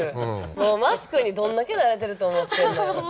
もうマスクにどんだけ慣れてると思ってんのよ。